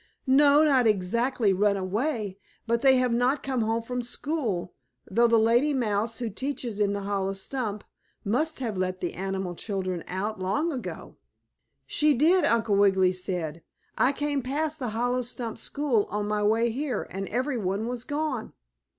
"No, not exactly run away. But they have not come home from school, though the lady mouse, who teaches in the hollow stump, must have let the animal children out long ago." "She did," Uncle Wiggily said. "I came past the hollow stump school on my way here, and every one was gone."